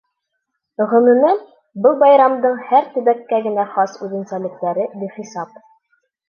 Ғөмүмән, был байрамдың һәр төбәккә генә хас үҙенсәлектәре бихисап.